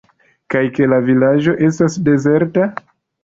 Kaj ke la vilaĝo estas dezerta?